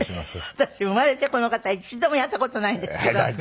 私生まれてこの方一度もやった事ないんですけど。